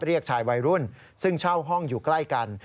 เรียกชายวัยรุ่นซึ่งเช่าห้องอยู่ใกล้กัน